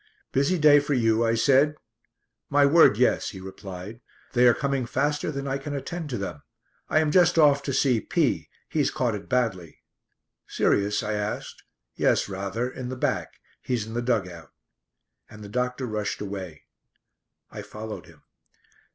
"Busy day for you?" I said. "My word, yes," he replied. "They are coming faster than I can attend to them. I am just off to see P . He's caught it badly." "Serious?" I asked. "Yes, rather; in the back. He's in the dug out." And the doctor rushed away. I followed him.